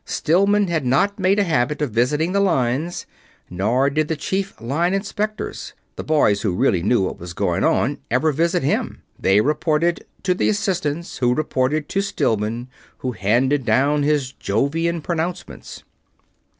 Stillman had not made a habit of visiting the lines; nor did the Chief Line Inspectors, the boys who really knew what was going on, ever visit him. They reported to the Assistants, who reported to Stillman, who handed down his Jovian pronouncements.